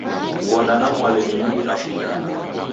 Ngoda na Mwale ni mdu na mruna.